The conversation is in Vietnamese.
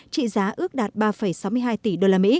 trị giá ước đạt ba sáu mươi hai tỷ usd